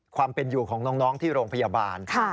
ความเป็นอยู่ของน้องที่โรงพยาบาล